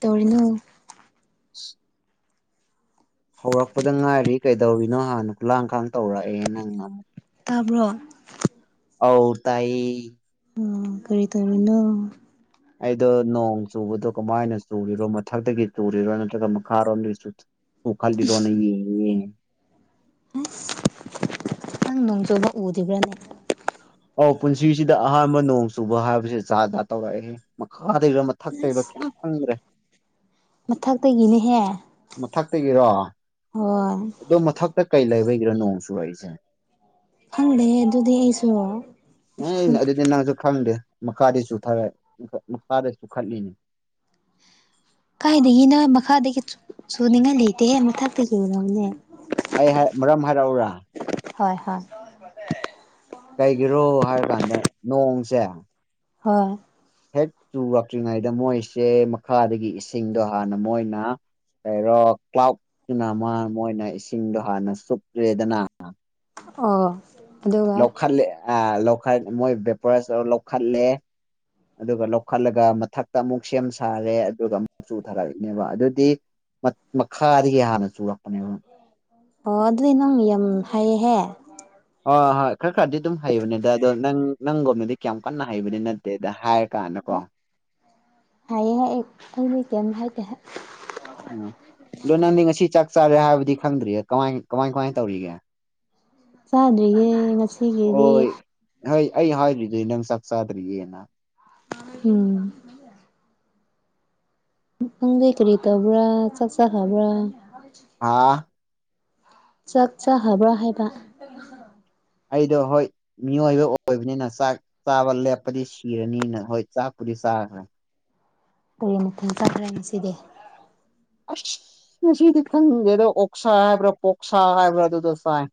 ꯇꯧꯔꯤꯅꯣ [inaudible] ꯍꯧꯔꯛꯄꯗ ꯉꯥꯏꯔꯤ ꯀꯩꯗꯧꯔꯤꯅꯣ ꯍꯥꯟꯅ ꯈꯨꯂꯥꯡꯈꯥꯡ ꯇꯧꯔꯛꯑꯦ ꯅꯪꯅ ꯇꯥꯕ꯭ꯔꯣ ꯑꯧ ꯇꯥꯏꯌꯦ ꯎꯝ ꯀꯔꯤ ꯇꯧꯔꯤꯅꯣ ꯑꯩꯗꯣ ꯅꯣꯡ ꯆꯨꯕꯗꯣ ꯀꯃꯥꯏꯅ ꯆꯨꯔꯤꯔꯣ ꯃꯊꯛꯇꯥꯒꯤ ꯆꯨꯔꯤꯔꯣ ꯅꯠꯇ꯭ꯔꯒ ꯃꯈꯥꯔꯣꯝꯗꯒꯤ ꯆꯨ ꯎꯈꯠꯂꯤꯔꯣꯅ ꯌꯦꯡꯉꯦ ꯅꯪ ꯅꯣꯡꯆꯨꯕ ꯎꯗꯤꯕ꯭ꯔꯥꯅꯦ ꯑꯧ ꯄꯨꯟꯁꯤꯁꯤꯗ ꯑꯍꯥꯟꯕ ꯅꯣꯡ ꯆꯨꯕ ꯍꯥꯏꯕꯁꯦ ꯖꯥꯠꯖꯥꯠ ꯇꯧꯔꯛꯑꯦꯍꯦ꯫ ꯃꯈꯥꯗꯩꯔꯥ ꯃꯊꯛꯇꯩꯔꯥ ꯑꯁ ꯀꯩꯝ ꯈꯪꯗ꯭ꯔꯦ꯫ ꯃꯊꯛꯇꯒꯤꯅꯦꯍꯦ꯫ ꯃꯊꯛꯇꯒꯤꯔꯣ ꯍꯣꯏ ꯑꯗꯣ ꯃꯊꯛꯇ ꯀꯩ ꯂꯩꯕꯒꯤꯔ ꯅꯣꯡ ꯆꯨꯔꯛꯏꯁꯦ꯫ ꯈꯪꯗꯦ ꯑꯗꯨꯗꯤ ꯑꯩꯁꯨ ꯑꯦ ꯑꯗꯨꯗꯤ ꯅꯪꯁꯨ ꯈꯪꯗꯦ꯫ ꯃꯈꯥꯗꯩ ꯆꯨꯊꯥꯔꯛ ꯃꯈꯥꯗꯩ ꯆꯨꯈꯠꯂꯤꯅꯦ꯫ ꯀꯥꯏꯗꯒꯤꯅꯣ ꯃꯈꯥꯗꯒꯤ ꯆꯨ ꯆꯨꯅꯤꯡꯉꯥꯏ ꯂꯩꯇꯦ ꯃꯊꯛꯇꯒꯤ ꯑꯣꯏꯔꯝꯅꯦ꯫ ꯑꯩ ꯍꯥꯏꯔ ꯃꯔꯝ ꯍꯥꯏꯔꯛꯎꯔꯥ ꯍꯣꯏ ꯍꯣꯏ ꯀꯩꯒꯤꯔꯣ ꯍꯥꯏꯔꯀꯥꯟꯗ ꯅꯣꯡꯁꯦ ꯍꯣꯏ ꯍꯦꯛ ꯆꯨꯔꯛꯇ꯭ꯔꯤꯉꯩꯗ ꯃꯣꯏꯁꯦ ꯃꯈꯥꯗꯒꯤ ꯏꯁꯤꯡꯗꯣ ꯍꯥꯟꯅ ꯃꯣꯏꯅ ꯀꯩꯔꯣꯛ ꯀ꯭ꯂꯥꯎꯇꯨꯅ ꯃꯥ ꯃꯣꯏꯅ ꯏꯁꯤꯡꯗꯣ ꯍꯥꯟꯅ ꯆꯨꯞꯈ꯭ꯔꯦꯗꯅ ꯑꯣ ꯑꯗꯨꯒ ꯂꯧꯈꯠꯂꯦ ꯑ ꯂꯧꯈꯠ ꯃꯣꯏ ꯕꯦꯄꯣꯔꯥꯏꯖ ꯇꯧꯔ ꯂꯧꯈꯠꯂꯦ꯫ ꯑꯗꯨꯒ ꯂꯧꯈꯠꯂꯒ ꯃꯊꯛꯇ ꯑꯃꯨꯛ ꯁꯦꯝ ꯁꯥꯔꯦ ꯑꯗꯨꯒ ꯑꯃꯨꯛ ꯆꯨꯊꯔꯛꯏꯅꯦꯕ ꯑꯗꯨꯗꯤ ꯃ ꯃꯈꯥꯗꯒꯤ ꯍꯥꯟꯅ ꯆꯨꯔꯛꯄꯅꯦꯕ ꯑꯣ ꯑꯗꯨꯗꯤ ꯅꯪ ꯌꯥꯝ ꯍꯥꯏꯌꯦꯍꯦ꯫ ꯍꯣꯏ ꯍꯣꯏ ꯈꯔ ꯈꯔꯗꯤ ꯑꯗꯨꯝ ꯍꯩꯕꯅꯤꯗ ꯑꯗꯣ ꯅꯪ ꯅꯪꯒꯨꯝꯅꯗꯤ ꯀꯌꯥꯝ ꯀꯟꯅ ꯍꯩꯕꯗꯤ ꯅꯠꯇꯦꯗ ꯍꯥꯏ ꯀꯥꯅꯀꯣ ꯍꯥꯏꯑ ꯍꯥꯏꯑ ꯑꯩꯗꯤ ꯀꯩꯝ ꯍꯥꯏꯇꯦꯍꯦ꯫ ꯎꯝ ꯑꯗꯤ ꯅꯪꯗꯤ ꯉꯁꯤ ꯆꯥꯛ ꯆꯥꯔꯦ ꯍꯥꯏꯕꯗꯤ ꯈꯪꯗ꯭ꯔꯤꯌꯦ ꯀꯃꯥꯏ ꯀꯃꯥꯏ ꯀꯃꯥꯏ ꯇꯧꯔꯤꯒꯦ꯫ [inaudible] ꯆꯥꯗ꯭ꯔꯤꯌꯦ ꯉꯁꯤꯒꯤꯗꯤ ꯍꯥꯏ ꯑꯩ ꯍꯥꯏꯔꯤꯗꯤ ꯅꯪ ꯆꯥꯛ ꯆꯥꯗ꯭ꯔꯤꯌꯦꯅ꯫ ꯎꯝ ꯅꯪꯗꯤ ꯀꯔꯤ ꯇꯧꯕ꯭ꯔꯥ ꯆꯥꯛ ꯆꯥꯈꯕ꯭ꯔꯥ꯫ ꯑꯥ ꯆꯥꯛ ꯆꯥꯈ꯭ꯔꯕꯔꯥ ꯍꯥꯏꯕ ꯑꯩꯗꯣ ꯍꯣꯏ ꯃꯤꯑꯣꯏꯕ ꯑꯣꯏꯕꯅꯤꯅ ꯆꯥꯛ ꯆꯥꯕ ꯂꯦꯞꯄꯗꯤ ꯁꯤꯔꯅꯤꯅ ꯍꯣꯏ ꯆꯥꯛꯄꯨꯗꯤ ꯆꯥꯈ꯭ꯔꯦ꯫ ꯀꯔꯤ ꯃꯊꯦꯟ ꯆꯥꯈ꯭ꯔꯦ ꯉꯁꯤꯗꯤ꯫ ꯑꯁ ꯉꯁꯤꯗꯤ ꯈꯪꯗꯦꯗ ꯑꯣꯛꯁꯥ ꯍꯥꯏꯕ꯭ꯔꯥ ꯄꯣꯛꯁꯥ ꯍꯥꯏꯕ꯭ꯔꯥ ꯑꯗꯨꯗꯣ ꯆꯥꯏ꯫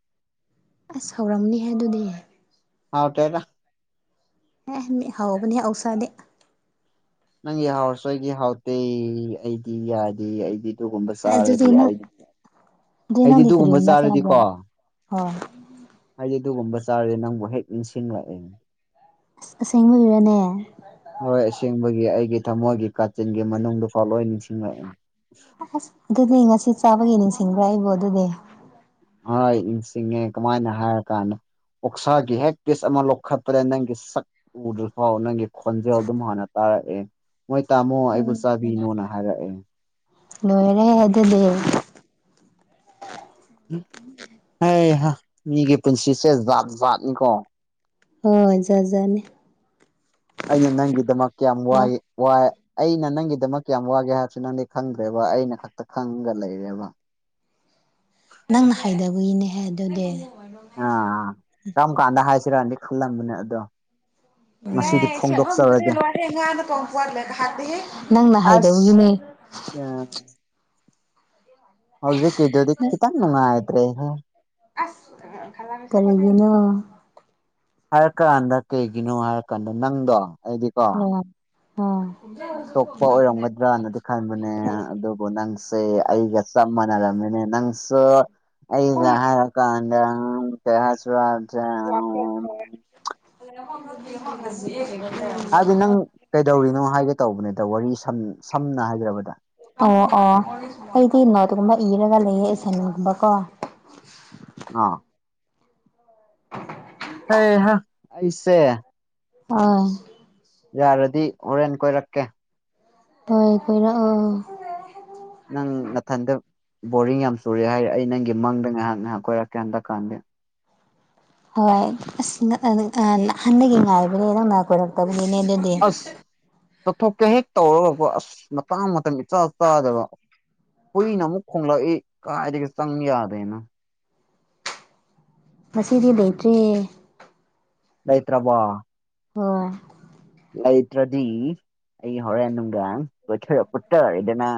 ꯑꯁ ꯍꯥꯎꯔꯝꯅꯤꯍꯦ ꯑꯗꯨꯗꯤ꯫ ꯍꯥꯎꯇꯦꯗ꯫ ꯑꯦ ꯃꯤ ꯍꯥꯎꯕꯅꯦ ꯑꯣꯛꯁꯥꯗꯤ꯫ ꯅꯪꯒꯤ ꯍꯥꯎꯔꯁꯨ ꯑꯩꯗꯤ ꯍꯥꯎꯇꯦ ꯑꯩꯗꯤ ꯌꯥꯗꯦ ꯑꯩꯗꯤ ꯑꯗꯨꯒꯨꯝꯕ ꯑꯗꯨꯗꯤ ꯆꯥꯔꯗꯤ ꯅꯪ ꯑꯩ ꯑꯗꯨꯗꯤ ꯑꯩꯗꯤ ꯅꯪꯗꯤ ꯑꯗꯨꯒꯨꯝꯕ ꯀꯔꯤꯒꯨꯝꯕ ꯆꯥꯔꯗꯤꯀꯣ ꯆꯥꯕ꯭ꯔꯥ ꯍꯣꯏ ꯑꯩꯗꯤ ꯑꯗꯨꯒꯨꯝꯕ ꯆꯥꯔꯗꯤ ꯅꯪꯕꯨ ꯍꯦꯛ ꯅꯤꯡꯁꯤꯡꯔꯛꯑꯦ꯫ ꯑꯁꯦꯡꯕꯒꯤꯔꯥꯅꯦ꯫ ꯍꯣꯏ ꯑꯁꯦꯡꯕꯒꯤ ꯑꯩꯒꯤ ꯊꯃꯣꯏꯒꯤ ꯀꯥꯆꯤꯟꯒꯤ ꯃꯅꯨꯡꯗꯗꯨꯐꯥꯎ ꯂꯣꯏ ꯅꯤꯡꯁꯤꯡꯂꯛꯑꯦ꯫ ꯑꯁ ꯑꯗꯨꯗꯤ ꯉꯁꯤ ꯆꯥꯕꯒꯤ ꯅꯤꯡꯁꯤꯡꯕ꯭ꯔꯥ ꯑꯩꯕꯣ ꯑꯗꯨꯗꯤ ꯍꯣꯏ ꯅꯤꯡꯁꯤꯡꯉꯦ ꯀꯃꯥꯏꯅ ꯍꯥꯏꯔ ꯀꯥꯟꯗ ꯑꯣꯛꯁꯥꯒꯤ ꯍꯦꯛ ꯄꯤꯁ ꯑꯃ ꯂꯧꯈꯠꯄꯗ ꯅꯪꯒꯤ ꯁꯛ ꯎꯗ꯭ꯔꯐꯥꯎ ꯅꯪꯒꯤ ꯈꯣꯟꯖꯦꯜ ꯑꯗꯨꯝ ꯍꯥꯟꯅ ꯇꯥꯔꯛꯑꯦ ꯃꯣꯏ ꯇꯥꯃꯣ ꯑꯩꯕꯨ ꯆꯥꯕꯤꯅꯣꯅ ꯍꯥꯏꯔꯛꯑꯦ꯫ ꯂꯣꯏꯔꯦ ꯑꯗꯨꯗꯤ ꯎꯝ ꯎ ꯍꯩꯍꯥ ꯃꯤꯒꯤ ꯄꯨꯟꯁꯤꯁꯦ ꯖꯥꯠ ꯖꯥꯠꯅꯤꯀꯣ ꯍꯣꯏ ꯖꯥꯠ ꯖꯥꯠꯅꯤ ꯑꯩꯅ ꯅꯪꯒꯤꯗꯃꯛ ꯀꯌꯥꯝ ꯍꯥꯎ ꯋꯥꯏ ꯋꯥ ꯑꯩꯅ ꯅꯪꯒꯤꯗꯃꯛ ꯀꯌꯥꯝ ꯋꯥꯒꯦ ꯍꯥꯏꯔꯁꯨ ꯅꯪꯗꯤ ꯈꯪꯗ꯭ꯔꯦꯕ ꯑꯩꯅ ꯈꯛꯇ ꯈꯪꯉꯒ ꯂꯩꯔꯦꯕ ꯅꯪꯅ ꯍꯥꯏꯗꯕꯒꯤꯅꯦꯍꯦ ꯑꯗꯨꯗꯤ ꯑꯥ ꯀꯔꯝ ꯀꯥꯟꯗ ꯍꯥꯏꯁꯤꯔꯗꯤ ꯈꯜꯂꯝꯕꯅꯦ ꯑꯗꯣ [unintelligible] ꯉꯁꯤꯗꯤ ꯎꯝ ꯐꯣꯡꯗꯣꯛꯆꯔꯒꯦ ꯅꯪꯅ ꯑꯁ ꯍꯥꯏꯗꯕꯒꯤꯅꯦ [unintelligible] ꯍꯧꯖꯤꯛꯀꯤꯗꯗꯤ ꯈꯤꯇꯪ ꯅꯨꯡꯉꯥꯏꯇꯔ‌ꯦꯍ‌ꯦ ꯑꯁ ꯀꯔꯤꯒꯤꯅꯣ ꯍꯥꯏꯔ ꯀꯥꯟꯗ ꯀꯩꯒꯤꯅꯣ ꯍꯥꯏꯔꯀꯥꯟꯗ ꯅꯪꯗꯣ ꯑꯩꯗꯤ [unintelligible] ꯑ ꯇꯣꯛꯄ ꯑꯣꯏꯔꯝꯒꯗ꯭ꯔꯅꯗꯤ ꯈꯟꯕꯅꯦ ꯑꯗꯨꯕꯨ ꯅꯪꯁꯦ ꯑꯩꯒ ꯆꯞ ꯃꯥꯟꯅꯔꯝꯒꯅꯤ ꯅꯪꯁꯨ ꯍꯣꯏ ꯑꯩꯅ ꯍꯥꯏ ꯀꯥꯟꯗ ꯀꯩ ꯍꯥꯏꯁꯤꯔꯥ [unintelligible] ꯍꯥꯏꯕꯗꯤ ꯅꯪ [unintelligible] ꯀꯩꯗꯧꯔꯤꯅꯣ ꯍꯥꯏꯒꯦ ꯇꯧꯕꯅꯤꯗ ꯋꯥꯔꯤ ꯁꯝ ꯁꯝꯅ ꯍꯥꯏꯈ꯭ꯔꯕꯗ ꯑꯣ ꯑꯣ ꯑꯩꯗꯤ ꯅꯣꯠꯀꯨꯝꯕ ꯏꯔꯒ ꯂꯩꯌꯦ ꯑꯦꯁ‌ꯦꯟꯒꯨꯝꯕꯀꯣ ꯑ ꯍꯩꯍꯥ ꯑꯩꯁꯦ ꯑ ꯌꯥꯔꯗꯤ ꯍꯣꯔꯦꯟ ꯀꯣꯏꯔꯛꯀꯦ ꯊꯝꯣꯏ ꯀꯣꯏꯔꯑꯣ ꯅꯪ ꯅꯊꯟꯗ ꯕꯣꯔꯤꯡ ꯌꯥꯝ ꯆꯨꯔꯦ ꯍꯥꯏꯔꯦ ꯑꯩ ꯅꯪꯒꯤ ꯃꯪꯗ ꯉꯥꯏꯍꯥꯛ ꯉꯥꯏꯍꯥꯛ ꯀꯣꯏꯔꯛꯀꯦ ꯍꯟꯗꯛꯀꯥꯟꯗꯤ ꯍꯣꯏ ꯑꯁ [unintelligible] ꯅꯍꯟꯗꯒꯤ ꯉꯥꯏꯕꯅꯦ ꯅꯪꯅ ꯀꯣꯏꯔꯛꯇꯕꯒꯤꯅ‌ꯦ ꯗꯨ ꯑꯁ ꯆꯠꯊꯣꯛꯀ‌ꯦ ꯍꯦꯛ ꯇꯧꯔꯒꯀ‌ꯣ ꯑꯁ ꯃꯇꯥꯡ ꯃꯇꯝ ꯆꯥꯛ ꯆꯥꯗꯕ ꯍꯨꯏꯅ ꯑꯃꯨꯛ ꯈꯣꯡꯂꯛꯏ ꯀꯥꯏꯗꯒꯤ ꯆꯪ ꯌꯥꯗꯦꯅ ꯉꯁꯤꯗꯤ ꯂꯩꯇ꯭ꯔꯦ ꯂꯩꯇ꯭ꯔꯕ‌ꯣ ꯍ‌ꯣꯏ ꯂꯩꯇ꯭ꯔꯗꯤ ꯑꯩ ꯍꯣꯔꯦꯟ ꯅꯨꯡꯗꯥꯡ ꯀꯣꯏꯊꯔꯛꯄ ꯇꯥꯔꯦꯗꯅ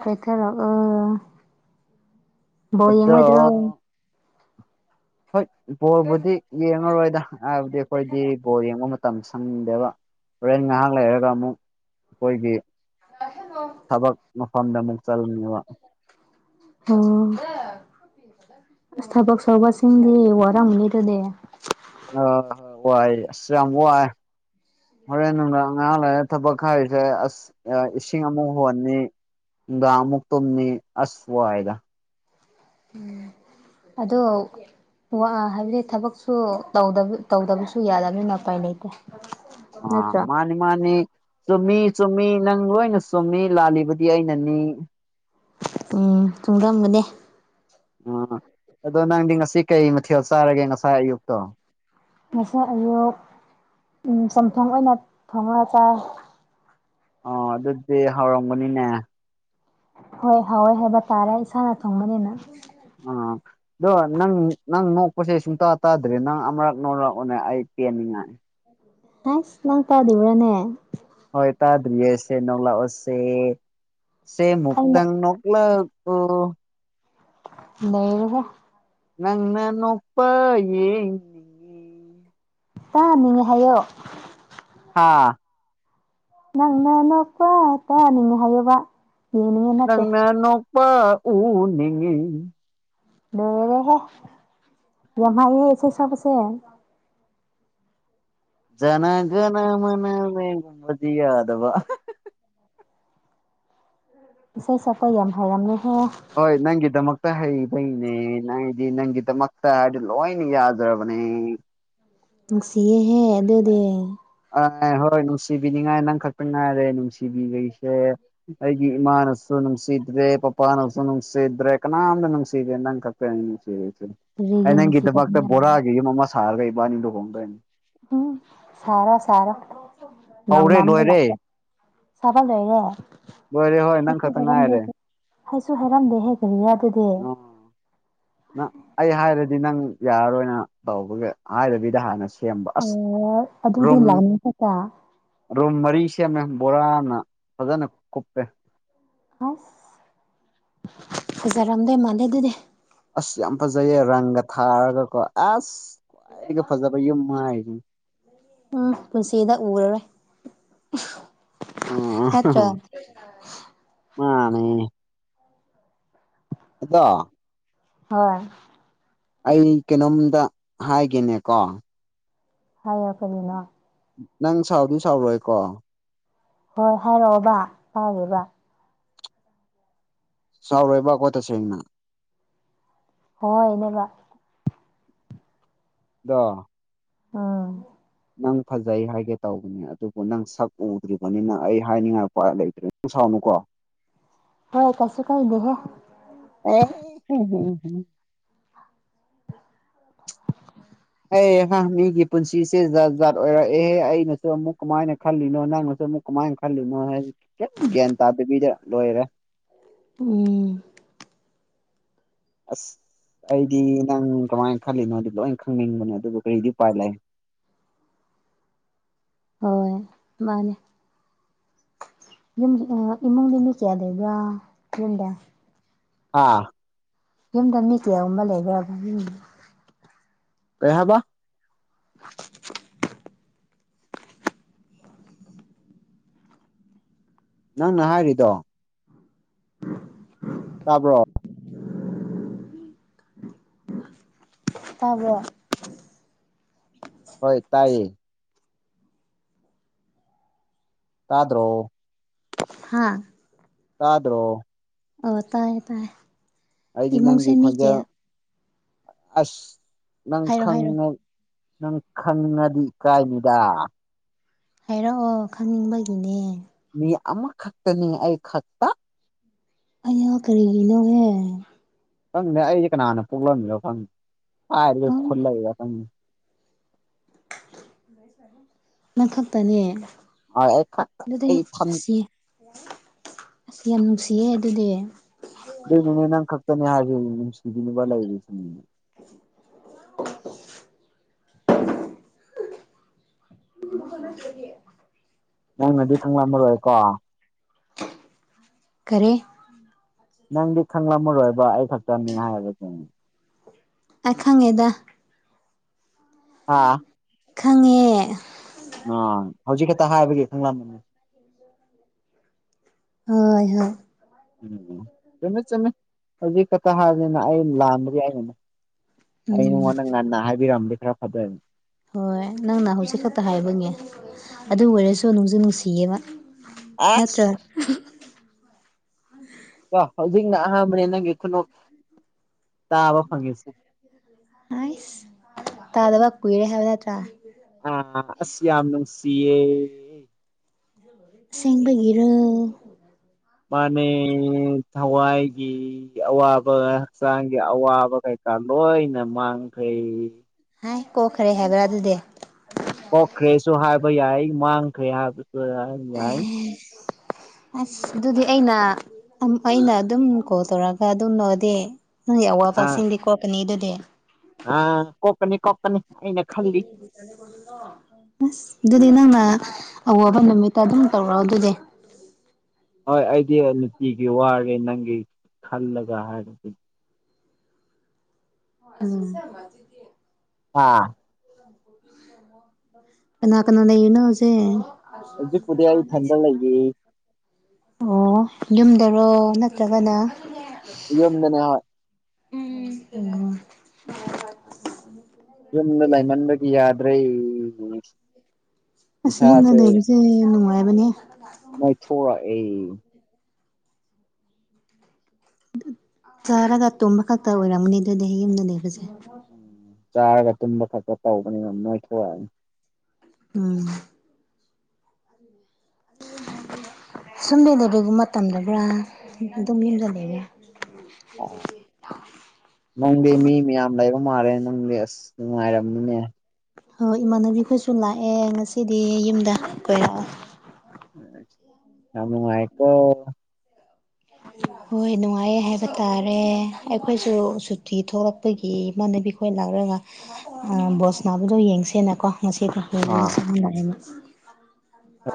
ꯀ‌ꯣꯏꯊꯔꯛꯑ‌ꯣ ꯕꯣꯜ ꯑꯗꯣ ꯌꯦꯡꯉꯣꯏꯗ꯭ꯔꯣ ꯍꯣꯏ ꯕꯣꯜꯕꯨꯗꯤ ꯌꯦꯡꯉꯔꯣꯏꯗ ꯍꯥꯏꯕꯗꯤ ꯑꯩꯈꯣꯏꯗꯤ ꯕ‌ꯣꯜ ꯌꯦꯡꯕ ꯃꯇꯝ ꯁꯪꯗꯦꯕ ꯍꯣꯔꯦꯟ ꯉꯥꯏꯍꯥꯛ ꯂꯩꯔꯒ ꯑꯃꯨꯛ ꯑꯩꯈꯣꯏꯒꯤ [unintelligible] ꯊꯕꯛ ꯃꯐꯝꯗ ꯑꯃꯨꯛ ꯆꯠꯂꯨꯅ‌ꯦꯕ ꯍ‌ꯣ ꯑꯁ ꯊꯕꯛ ꯁꯣꯕꯥꯁꯤꯡꯗꯤ ꯋꯥꯔꯝꯅꯤ ꯗꯨꯗꯤ ꯑ ꯍ ꯋꯥꯏ ꯑꯁ ꯌꯥꯝ ꯋꯥꯏ ꯍꯣꯔꯦꯟ ꯅꯨꯡꯗꯥꯡ ꯉꯍꯥꯛ ꯂꯥꯏꯔ ꯊꯕꯛ ꯍꯥꯏꯔꯤꯁꯦ ꯑꯁ ꯑ ꯏꯁꯤꯡ ꯑꯃꯨꯛ ꯍꯣꯟꯅꯤ ꯅꯨꯡꯗꯥꯜ ꯑꯃꯨꯛ ꯇꯨꯝꯅꯤ ꯑꯁ ꯋꯥꯏꯗ ꯎꯝ ꯑꯗꯣ ꯋꯥ ꯍꯥꯏꯕꯗꯤ ꯊꯕꯛꯁꯨ ꯇꯧꯗꯕ ꯇꯧꯗꯕꯁꯨ ꯌꯥꯗꯕꯅꯤꯅ ꯎꯄꯥꯏ ꯂꯩꯇꯦ ꯑꯥ ꯅꯠꯇ꯭ꯔ ꯃꯥꯅꯤ ꯃꯥꯅꯤ ꯆꯨꯝꯃꯤ ꯆꯨꯝꯃꯤ ꯅꯪ ꯂꯣꯏꯅ ꯆꯨꯝꯃꯤ ꯂꯥꯜꯂꯤꯕꯗꯤ ꯑꯩꯅꯅꯤ ꯎꯝ ꯆꯨꯡꯒꯟꯕꯅꯦ ꯎꯝ ꯑꯗꯣ ꯅꯪꯗꯤ ꯉꯁꯤ ꯀꯩ ꯃꯊꯦꯜ ꯆꯥꯔꯒꯦ ꯉꯁꯥꯏ ꯑꯌꯨꯛꯇꯣ ꯉꯁꯥꯏ ꯑꯌꯨꯛ ꯆꯨꯝꯊꯣꯡ ꯑꯣꯏꯅ ꯊꯣꯡꯉꯒ ꯆꯥꯏ ꯑꯣ ꯑꯗꯨꯗꯤ ꯍꯥꯎꯔꯝꯒꯅꯤꯅꯦ ꯍꯣꯏ ꯍꯥꯎꯋꯦ ꯍꯥꯏꯕ ꯇꯥꯔꯦ ꯏꯁꯥꯅ ꯊꯣꯡꯕꯅꯤꯅ ꯑꯥ ꯗꯣ ꯅꯪ ꯅꯪ ꯅꯣꯛꯄꯁꯦ ꯁꯨꯡꯇꯥ ꯇꯥꯗ꯭ꯔꯦ ꯅꯪ ꯑꯃꯔꯛ ꯅꯣꯛꯔꯛꯑꯣꯅꯦ ꯑꯩ ꯄꯦꯟꯅꯤꯉꯥꯏ ꯍꯥꯏꯁ ꯅꯪ ꯇꯥꯗꯤꯕꯔꯥꯅꯦ ꯍꯣꯏ ꯇꯥꯗ꯭ꯔꯤꯌꯦ ꯁꯦ ꯅꯣꯡꯂꯥꯛꯑꯣꯁꯦ ꯁꯦ ꯑꯩꯅ ꯃꯨꯛꯇꯪ ꯅꯣꯛꯂꯛ ꯑꯣ ꯅꯩꯔꯦꯍꯦ ꯅꯪꯅ ꯅꯣꯛꯄ ꯌꯦꯡ ꯇꯥꯅꯤꯡꯉꯦ ꯍꯥꯏꯌꯣ ꯑꯥ ꯅꯪꯅ ꯅꯣꯛꯄ ꯇꯥꯅꯤꯡꯉꯦ ꯍꯥꯏꯌꯣꯕ ꯌꯦꯡꯅꯤꯡꯉꯦ ꯅꯠꯇꯦ ꯅꯪꯅ ꯅꯣꯛꯄ ꯎꯅꯤꯡꯉꯤ ꯂꯣꯏꯔꯦꯍꯦ ꯌꯥꯝ ꯍꯩꯌꯦ ꯏꯁꯩ ꯁꯛꯄꯁꯦ ꯖꯅꯥ ꯒꯅ ꯃꯅ ꯃꯦ ꯒꯨꯝꯕꯗꯤ ꯌꯥꯗꯕ ꯏꯁꯩ ꯁꯛꯄ ꯌꯥꯝ ꯍꯩꯔꯝꯃꯦꯍꯦ ꯍꯣꯏ ꯅꯪꯒꯤꯗꯃꯛꯇ ꯍꯩꯕꯩꯅꯦ ꯅꯪꯗꯤ ꯅꯪꯒꯤꯗꯃꯛꯇ ꯍꯥꯏꯗꯤ ꯂꯣꯏꯅ ꯌꯥꯗ꯭ꯔꯕꯅꯦ ꯅꯨꯡꯁꯤꯌꯦꯍꯦ ꯑꯗꯨꯗꯤ ꯑꯥꯏ ꯍꯣꯏ ꯅꯨꯡꯁꯤꯕꯤꯅꯤꯉꯥꯏ ꯅꯪ ꯈꯛꯇ ꯉꯥꯏꯔꯦ ꯅꯨꯡꯁꯤꯕꯤꯕꯩꯁꯦ ꯑꯩꯗꯤ ꯏꯃꯥꯅꯁꯨ ꯅꯨꯡꯁꯤꯗ꯭ꯔꯦ ꯄꯄꯥꯅꯁꯨ ꯅꯨꯡꯁꯤꯗ꯭ꯔꯦ ꯀꯅꯥꯝꯅ ꯅꯨꯡꯁꯤꯗ꯭ꯔꯦ ꯅꯪ ꯈꯛ [unintelligible] ꯑꯩ ꯀꯔꯤꯒꯤ ꯅꯪꯒꯤꯗꯃꯛꯇ ꯅꯨꯡꯁꯤꯗꯕꯅꯣ ꯕꯣꯔꯥꯒꯤ ꯌꯨꯝ ꯑꯃ ꯁꯥꯔꯒ ꯏꯕꯥꯅꯤ ꯂꯨꯍꯣꯡꯗꯣꯏꯅꯤ ꯍꯥ ꯁꯥꯔꯣ ꯁꯥꯔꯣ ꯍꯧꯔꯦ ꯅꯣꯡꯃ ꯑꯃꯨꯒ ꯂꯣꯏꯔꯦ ꯂꯥꯛꯀꯦ ꯁꯥꯕ ꯂꯣꯏꯔꯦ ꯂꯣꯏꯔꯦ ꯍꯣꯏ ꯅꯪ ꯍꯥꯏꯁꯨ ꯈꯛꯇ ꯍꯦꯔꯝꯗꯦ ꯉꯥꯏꯔꯦ ꯍꯥꯏꯁꯨ ꯍꯥꯏꯔꯝꯗꯦꯍꯦ ꯀꯔꯤꯔ ꯑꯗꯨꯗꯤ ꯅ ꯑꯩ ꯍꯥꯏꯔꯗꯤ ꯅꯪ ꯌꯥꯔꯔꯣꯏꯅ ꯇꯧꯕꯒꯤ ꯍꯥꯏꯔꯕꯤꯗ ꯍꯥꯟꯅꯁꯨ ꯑꯣ ꯑꯗꯨꯗꯤ ꯂꯥꯛꯅꯤꯡ ꯈꯠꯇ ꯔꯨꯝ ꯃꯔꯤ ꯁꯦꯝꯃꯦ ꯕꯣꯔꯥꯅ ꯐꯖꯅ ꯀꯨꯞꯄꯦ ꯑꯁ ꯐꯖꯔꯝꯗꯣꯏ ꯃꯥꯟꯗꯦ ꯑꯗꯨꯗꯤ ꯑꯁ ꯌꯥꯝ ꯐꯖꯩꯌꯦ ꯔꯪꯒ ꯊꯥꯔꯒꯀꯣ ꯑꯦꯁ ꯈ꯭ꯋꯥꯏꯗꯒꯤ ꯐꯖꯕ ꯌꯨꯝ ꯍꯥꯏꯖꯤꯅꯤ ꯎꯝ ꯄꯨꯟꯁꯤꯗ ꯎꯔꯔꯣꯏ ꯅꯠꯇ꯭ꯔꯣ ꯃꯥꯅꯦ ꯑꯗꯣ ꯍꯣꯏ ꯑꯩ ꯀꯩꯅꯣꯝꯗ ꯍꯥꯏꯒꯦꯅꯦꯀꯣ ꯍꯥꯏꯌꯣ ꯀꯔꯤꯅꯣ ꯅꯪ ꯁꯥꯎꯗꯤ ꯁꯥꯎꯔꯣꯏꯀꯣ ꯍꯣꯏ ꯍꯥꯏꯔꯛꯑꯣꯕ ꯁꯥꯎꯔꫭꯏꯕ ꯁꯥꯎꯔꫭꯏꯕꯀꫭ ꯇꯁꯦꯡꯅ ꯍꯣꯏ ꯅꯦꯕ ꯗꫭ ꯑꯥ ꯅꯪ ꯐꯖꯩ ꯍꯥꯏꯒꯦ ꯇꯧꯕꯅꯦ ꯑꯗꯨꯕꯨ ꯅꯪ ꯁꯛ ꯎꯗ꯭ꯔꯤꯕꯅꯤꯅ ꯑꯩ ꯍꯥꯏꯅꯤꯡꯉꯛꯄ ꯂꯩꯇ꯭ꯔꯦ [unintelligible] ꯁꯥꯎꯅꯨꯀꯣ ꯍꯣꯏ ꯀꯩꯁꯨ ꯀꯥꯏꯗꯦꯍꯦ ꯑꯦ ꯍꯨꯡ ꯍꯨꯡ ꯍꯨꯡ ꯑꯦ ꯑꯉꯥꯡ ꯃꯤꯒꯤ ꯄꯨꯟꯁꯤꯁꯦ ꯖꯥꯠ ꯖꯥꯠ ꯑꯣꯏꯔꯛꯑꯦ ꯑꯩꯅꯁꯨ ꯑꯃꯨꯛ ꯀꯃꯥꯏꯅ ꯈꯜꯂꯤꯅꯣ ꯅꯪꯅꯁꯨ ꯑꯃꯨꯛ ꯀꯃꯥꯏꯅ ꯈꯜꯂꯤꯅꯣ ꯍꯥꯏ ꯈꯤꯇꯪ ꯒ꯭ꯌꯥꯟ ꯇꯥꯗꯕꯤꯗ ꯂꯣꯏꯔꯦ ꯎꯝ ꯑꯁ ꯑꯩꯗꯤ ꯅꯪ ꯀꯃꯥꯏ ꯈꯜꯂꯤꯅꯣꯗꯤ ꯂꯣꯏ ꯈꯪꯅꯤꯡꯕꯅꯦ ꯑꯗꯨꯕꯨ ꯀꯔꯤꯗꯤ ꯎꯄꯥꯏ ꯂꯩ ꯍꯣꯏ ꯃꯥꯅꯦ ꯌꯨꯝ ꯏꯃꯨꯡꯗꯤ ꯃꯤ ꯀꯌꯥ ꯂꯩꯕ꯭ꯔꯥ ꯌꯨꯝꯗ ꯍꯥ ꯌꯨꯝꯗ ꯃꯤ ꯀꯌꯥꯒꯨꯝꯕ ꯂꯩꯈ꯭ꯔꯕ ꯌꯨꯝ ꯀꯩꯍꯥꯏꯕ [inaudible] ꯅꯪꯅ ꯍꯥꯏꯔꯤꯗꯣ ꯇꯥꯕ꯭ꯔꯣ ꯇꯥꯕ꯭ꯔꯣ ꯍꯣꯏ ꯇꯥꯏꯌꯦ ꯇꯗ꯭ꯔꯣ ꯍꯥꯥ ꯇꯗ꯭ꯔꯣ ꯑꯣ ꯇꯥꯏꯌꯦ ꯇꯥꯏꯌꯦ ꯑꯩꯗꯤ ꯏꯃꯨꯡꯁꯦ ꯅꯪꯒꯤ ꯃꯤ ꯈꯣꯟꯖꯦꯜ ꯀꯌꯥ ꯑꯁ ꯅꯪ ꯍꯥꯏꯔꯣ ꯍꯥꯏꯔꯣ ꯈꯪꯉꯦ ꯅꯪ ꯈꯪ ꯉꯗꯤ ꯀꯥꯏꯅꯤꯗ ꯍꯥꯏꯔꯛꯑꯣ ꯈꯪꯅꯤꯡꯕꯒꯤꯅꯦ ꯃꯤ ꯑꯃꯈꯛꯇꯅꯤ ꯑꯩ ꯈꯛꯇ ꯑꯩꯋꯥ ꯀꯔꯤꯒꯤꯅꯣꯍꯦ ꯈꯪꯗꯦ ꯑꯩꯗꯤ ꯀꯅꯥꯅ ꯄꯣꯛꯂꯝꯃꯤꯅꯣ ꯈꯪꯗꯦ ꯍꯥꯏꯔꯤꯕ ꯈꯨꯟꯂꯛꯏꯔ ꯈꯪꯗꯦ ꯅꯪꯈꯛꯇꯅꯦ ꯑꯩ ꯈꯛꯇ ꯑꯗꯨꯗꯤ ꯑꯩ ꯏꯊꯟ ꯑꯁꯤ ꯌꯥꯝ ꯅꯨꯡꯁꯤꯌꯦ ꯑꯗꯨꯗꯤ ꯗꯨꯅꯅꯦ ꯅꯪ ꯈꯛꯛꯇꯅꯦ ꯍꯥꯁꯦ ꯅꯨꯡꯁꯤꯕꯤꯕ ꯂꯩꯁꯦ [inaudible] [unintelligible] ꯅꯪꯅꯗꯤ ꯈꯡꯂꯝꯃꯔꯣꯏꯀꯣ ꯀꯔꯤ ꯅꯪꯗꯤ ꯈꯪꯂꯝꯃꯔꯣꯏꯕ ꯑꯩ ꯈꯛꯇꯅꯤ ꯍꯥꯏꯕꯁꯤ ꯑꯩ ꯈꯪꯉꯦꯗ ꯑꯥ ꯈꯪꯉꯦ ꯑ ꯍꯧꯖꯤꯛ ꯈꯛꯇ ꯍꯥꯏꯕꯒꯤ ꯈꯡꯂꯝꯅꯤ ꯍꯣꯏ ꯍꯣꯏ ꯎꯝ ꯆꯨꯝꯃꯦ ꯆꯨꯝꯃꯦ ꯍꯧꯖꯤꯛ ꯈꯛꯇ ꯍꯥꯏꯕꯅꯤꯅ ꯑꯩ ꯂꯥꯟꯕꯒꯤ ꯑꯩꯅ ꯑꯩ ꯎꯝ ꯅꯪꯉꯣꯟꯗ ꯉꯟꯅ ꯍꯥꯏꯕꯤꯔꯝꯃꯗꯤ ꯈꯔ ꯐꯗꯣ ꯍꯣꯏ ꯅꯪꯅ ꯍꯧꯖꯤꯛ ꯈꯛꯇ ꯍꯥꯏꯕꯅꯦ ꯑꯗꯨ ꯑꯣꯏꯔꯁꯨ ꯅꯨꯡꯁꯨ ꯅꯨꯡꯁꯤꯌꯦꯕ ꯅꯠꯇ꯭ꯔꯥ ꯑꯁ ꯀꯣ ꯍꯧꯖꯤꯛꯅ ꯑꯍꯥꯟꯕꯅꯦ ꯅꯪꯒꯤ ꯈꯨꯅꯣꯛ ꯇꯥꯕ ꯐꯪꯉꯤꯁꯦ [unintelligible] ꯑꯩꯁ ꯇꯥꯗꯕ ꯀꯨꯏꯔꯦ ꯍꯥꯏꯕ ꯅꯠꯇ꯭ꯔꯥ ꯑ ꯑꯁ ꯌꯥꯝ ꯅꯨꯡꯁꯤꯌꯦ ꯑꯁꯦꯡꯕꯒꯤꯔꯣ ꯃꯥꯅꯦ ꯊꯋꯥꯏꯒꯤ ꯑꯋꯥꯕ ꯍꯛꯆꯥꯡꯒꯤ ꯑꯋꯥꯕ ꯀꯩꯀꯥ ꯂꯣꯏꯅ ꯃꯥꯡꯈ꯭ꯔꯦ ꯍꯥꯏ ꯀꯣꯛꯈꯔꯦ ꯍꯥꯏꯕ꯭ꯔꯥ ꯑꯗꯨꯗꯤ ꯀꯣꯛꯈ꯭ꯔꯦꯁꯨ ꯍꯥꯏꯕ ꯌꯥꯏ ꯃꯥꯡꯈ꯭ꯔꯦ ꯍꯥꯏꯕꯁꯨ ꯌꯥꯏ [unintelligible] ꯑꯁ ꯑꯗꯨꯗꯤ ꯑꯩꯅ ꯑꯩꯅ ꯑꯗꯨꯝ ꯀꯣꯜ ꯇꯧꯔꯛꯑꯒ ꯑꯗꯨꯝ ꯅꯣꯛꯑꯗꯤ ꯅꯪꯒꯤ ꯑꯋꯥꯕ ꯑꯥ ꯁꯤꯡꯗꯤ ꯀꯣꯛꯀꯅꯤ ꯑꯗꯨꯗꯤ ꯑꯥ ꯀꯣꯛꯀꯅꯤ ꯀꯣꯛꯀꯅꯤ ꯑꯩꯅ ꯈꯜꯂꯤ [unintelligible] ꯑꯁ ꯑꯗꯨꯗꯤ ꯅꯪꯅ ꯑꯋꯥꯕ ꯅꯨꯃꯤꯠꯇ ꯑꯗꯨꯝ ꯇꯧꯔꯑꯣ ꯑꯗꯨꯗꯤ ꯍꯣꯏ ꯑꯩꯗꯤ ꯅꯨꯡꯇꯤꯒꯤ ꯋꯥꯔꯦ ꯅꯪꯒꯤ ꯈꯜꯂꯒ ꯍꯥꯏꯗꯨꯗꯤ ꯎꯝ ꯑꯥ ꯀꯅꯥ ꯀꯅꯥ ꯂꯩꯔꯤꯅꯣ ꯍꯧꯖꯤꯛ ꯍꯧꯖꯤꯛꯄꯨꯗꯤ ꯑꯩ ꯏꯊꯟꯗ ꯂꯩꯌꯦ ꯑꯣ ꯌꯨꯝꯗꯔꯣ ꯅꯠꯇ꯭ꯔꯒꯅ ꯌꯨꯝꯗꯅꯦ ꯍꯣꯏ ꯑꯣ ꯌꯨꯝꯗ ꯂꯩꯃꯟꯕꯒꯤ ꯌꯥꯗ꯭ꯔꯦ ꯑꯁ ꯏꯁꯥꯁꯦ ꯌꯨꯝꯗ ꯂꯩꯕꯁꯦ ꯌꯥꯝ ꯅꯨꯡꯉꯥꯏꯕꯅꯦ ꯅꯣꯏꯊꯣꯔꯛꯑꯦ ꯑꯗꯨ ꯆꯥꯔꯒ ꯇꯨꯝꯕ ꯈꯛꯇ ꯑꯣꯏꯔꯝꯒꯅꯤ ꯑꯗꯨꯗꯤ ꯌꯨꯝꯗ ꯂꯩꯕꯁꯦ ꯎꯝ ꯆꯥꯔꯒ ꯇꯨꯝꯕ ꯈꯛꯄ ꯇꯧꯕꯅꯤꯅ ꯅꯣꯏꯊꯣꯑꯛꯑꯅꯤ ꯎꯝ ꯁꯨꯝꯗꯩ ꯂꯩꯕ꯭ꯔꯦꯒꯨꯝꯃ ꯃꯇꯝꯗꯕ꯭ꯔꯥ ꯑꯗꯨꯝ ꯌꯨꯝꯗ ꯂꯩꯔꯦ ꯑꯣ [unintelligible] ꯅꯪꯗꯤ ꯃꯤ ꯃꯌꯥꯝ ꯂꯩꯕ ꯃꯥꯜꯂꯦ ꯅꯪꯗꯤ ꯑꯁ ꯅꯨꯡꯉꯥꯏꯔꯝꯅꯤꯅꯦ ꯍꯣ ꯏꯃꯥꯟꯅꯕꯤꯈꯣꯏꯁꯨ ꯂꯥꯛꯑꯦ ꯉꯁꯤꯗꯤ ꯌꯨꯝꯗ ꯀꯣꯏꯔꯛꯑꯣ ꯌꯥꯝ ꯅꯨꯡꯉꯥꯏꯀꯣ [inaudible] ꯍꯣꯏ ꯅꯨꯡꯉꯥꯏꯌꯦ ꯍꯥꯏꯕ ꯇꯥꯔꯦ ꯑꯩꯈꯣꯏꯁꯨ ꯁꯨꯇꯤ ꯊꯣꯛꯂꯛꯄꯒꯤ ꯏꯃꯥꯟꯅꯕꯤ ꯈꯣꯏ ꯂꯥꯛꯔꯒ ꯑ ꯕꯣꯜ ꯁꯅꯥꯕꯗꯨ ꯌꯦꯡꯁꯦꯅꯀꯣ ꯉꯁꯤꯀ [unintelligible] ꯑꯥ